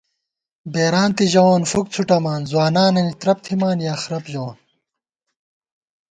بېرانتے ژَوون فُک څھُٹا، ځوانانَنی تَرپ تھِمان یا خرپ ژَوون